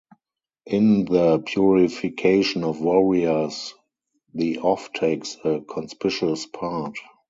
In the purification of warriors, the off takes a conspicuous part.